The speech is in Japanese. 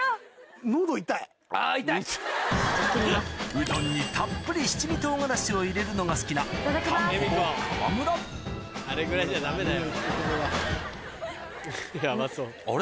うどんにたっぷり七味唐辛子を入れるのが好きなたんぽぽ・川村あれぐらいじゃダメだよ。